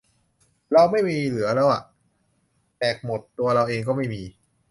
เราไม่มีเหลือแล้วอ่ะ แจกหมด ตัวเราเองก็ไม่มี